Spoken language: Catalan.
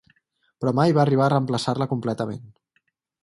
Però mai va arribar a reemplaçar-la completament.